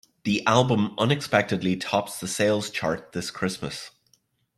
The album unexpectedly tops the sales chart this Christmas.